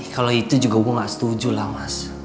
kalo itu juga gua ga setuju lah mas